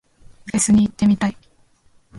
フェスに行ってみたい。